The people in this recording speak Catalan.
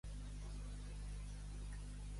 Quina norma no ha seguit JxSí?